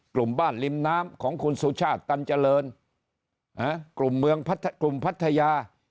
กลุ่มบ้านริมน้ำของคุณสุชาติตันเจริญกลุ่มเมืองกลุ่มพัทยา